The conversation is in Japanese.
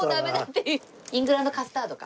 イングランドカスタードか。